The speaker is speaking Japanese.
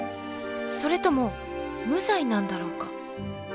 それとも無罪なんだろうか。